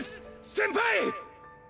先輩！